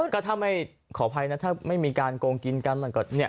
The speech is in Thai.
ก็ทำให้ขออภัยนะถ้าไม่มีการโกงกินกัน